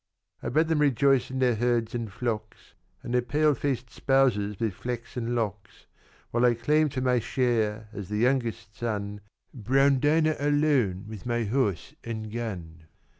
"I bade them rejoice in their herds and flocks, And their pale faced spouses with flaxen locks; While I claimed for my share, as the youngest son, Brown Dinah alone with my horse and gun.